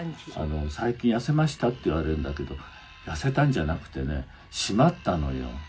「最近“痩せました？”って言われるんだけど痩せたんじゃなくてね締まったのよ」